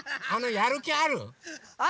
やるきある？